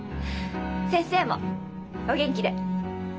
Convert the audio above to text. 先生もお元気で。